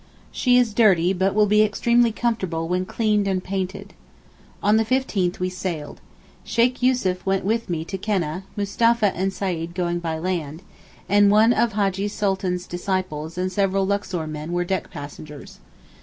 She is dirty, but will be extremely comfortable when cleaned and painted. On the 15th we sailed. Sheykh Yussuf went with me to Keneh, Mustapha and Seyd going by land—and one of Hajjee Sultan's disciples and several Luxor men were deck passengers.